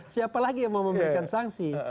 siapa lagi yang mau memberikan sanksi